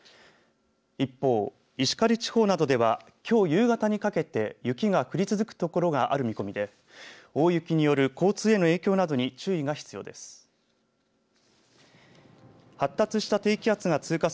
一方、石狩地方などではきょう夕方にかけて雪が降り続く所がある見込みで大雪による交通への影響などに注意が必要です。